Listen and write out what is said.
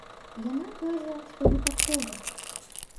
Яна кажа, што выпадкова.